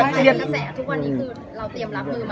โอ้ยทุกคนคะพี่สงกันเมื่อกี้ค่ะ